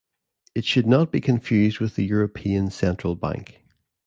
It should not be confused with the European Central Bank.